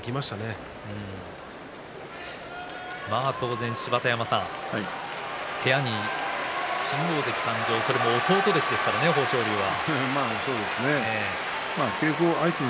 一方で芝田山さん部屋に新大関、誕生しかも、弟弟子ですからね豊昇龍は。